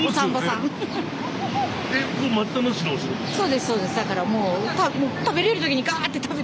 そうですそうです。